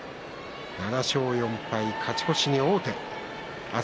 ７勝４敗、勝ち越しに王手。